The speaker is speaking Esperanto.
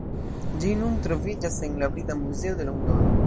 Ĝi nun troviĝas en la Brita Muzeo de Londono.